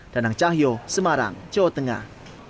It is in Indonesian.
dan ang cahyo semarang jawa tengah